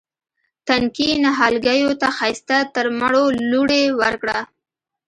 تنکي نهالګیو ته ښایسته ترمڼو لوڼې ورکړه